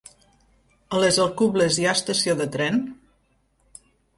A les Alcubles hi ha estació de tren?